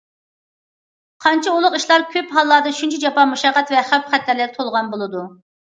قانچە ئۇلۇغ ئىشلار كۆپ ھاللاردا شۇنچە جاپا- مۇشەققەت ۋە خەۋپ- خەتەرلەرگە تولغان بولىدۇ.